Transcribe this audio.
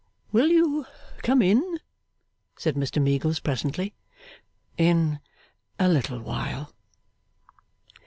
'Will you come in?' said Mr Meagles, presently. 'In a little while.